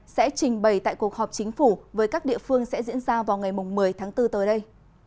sẽ trình bày tại cuộc họp chính phủ với các địa phương sẽ diễn ra vào ngày một mươi tháng bốn tới đây